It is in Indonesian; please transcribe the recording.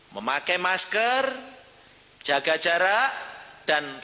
memakai masker jaga jarak dan